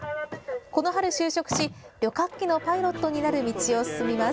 この春、就職し、旅客機のパイロットになる道を進みます。